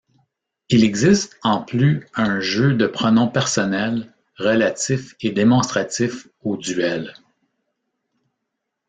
Il existe en plus un jeu de pronoms personnels, relatifs et démonstratifs au duel.